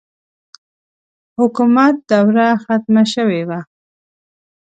حکومت دوره ختمه شوې وه.